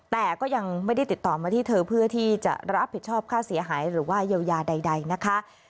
แต่ก็ยังไม่ได้ติดต่อมาที่เธอเพื่อที่จะรับผิดชอบค่าเสียหายหรือว่าเยียวยาใดนะคะ